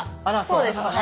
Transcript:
そうですね。